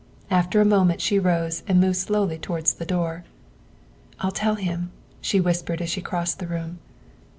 After a moment she rose and moved slowly towards the door. " I '11 tell him, '' she whispered as she crossed the room.